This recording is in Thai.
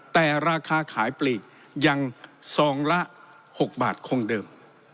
แต่ราคาขายปลีกยังซองละ๖บาทคงเดิม